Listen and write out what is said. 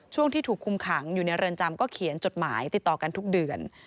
ช่วงที่ถูกคุมขังอยู่ในเรือนจำก็เขียนจดหมายติดต่อกันทุกเดือน